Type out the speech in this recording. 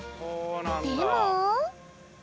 でも。